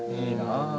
いいなぁ。